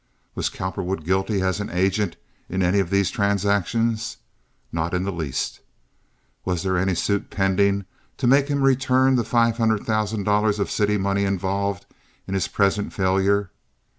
Was Cowperwood guilty as an agent in any of these transactions? Not in the least. Was there any suit pending to make him return the five hundred thousand dollars of city money involved in his present failure?